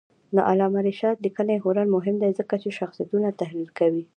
د علامه رشاد لیکنی هنر مهم دی ځکه چې شخصیتونه تحلیل کوي.